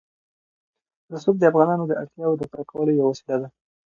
رسوب د افغانانو د اړتیاوو د پوره کولو یوه وسیله ده.